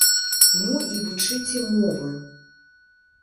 Ну і вучыце мовы.